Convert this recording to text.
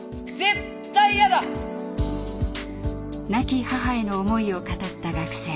亡き母への思いを語った学生。